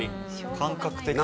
感覚的な。